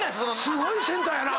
すごいセンターやなぁ。